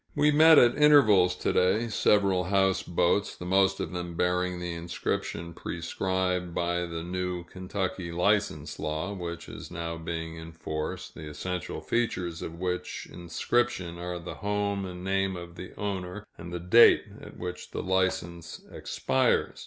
We met at intervals to day, several houseboats, the most of them bearing the inscription prescribed by the new Kentucky license law, which is now being enforced, the essential features of which inscription are the home and name of the owner, and the date at which the license expires.